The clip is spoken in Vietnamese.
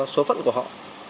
số phận của họ